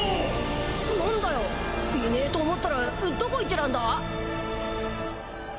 なんだよいねえと思ったらどこ行ってたんだ？